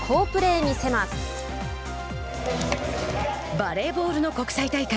バレーボールの国際大会。